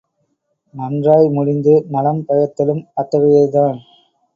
நன்றாய் முடிந்து நலம் பயத்தலும், அத்தகையது தான்.